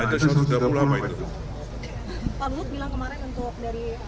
pak lut bilang kemarin untuk dari forum ini akan